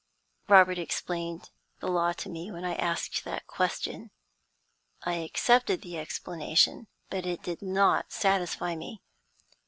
Robert explained the law to me when I asked that question. I accepted the explanation, but it did not satisfy me.